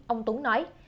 ông tuấn nói